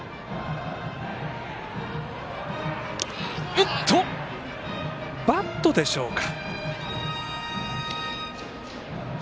おっと、バットでしょうか。